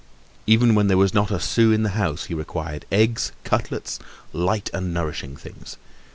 Even when there was not a sou in the house, he required eggs, cutlets, light and nourishing things.